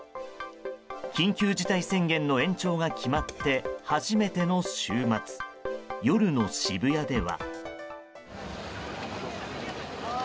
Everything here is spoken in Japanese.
緊急事態宣言の延長が決まって初めての週末夜の渋谷では。